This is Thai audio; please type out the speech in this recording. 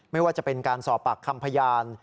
ไม่ว่าจะเป็นการสอบปากคำพยาน